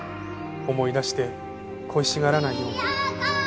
思い出して恋しがらないように。